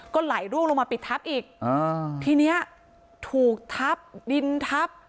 ก็ไหลร่วงลงมาปิดทับอีกอ่าทีเนี้ยถูกทับดินทับ